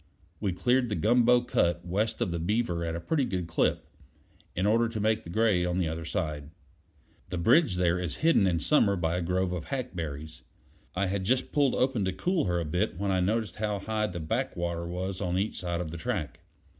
We cleared the gumbo cut west of the Beaver at a pretty good clip, in order to make the grade on the other side. The bridge there is hidden in summer by a grove of hackberries. I had just pulled open to cool her a bit when I noticed how high the back water was on each side of the track.